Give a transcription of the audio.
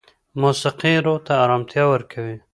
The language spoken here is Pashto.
موسیقي روح ته ارامتیا ورکوي.